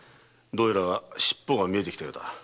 どうやら尻尾が見えてきたようだ。